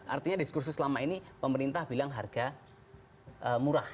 artinya diskursus selama ini pemerintah bilang harga murah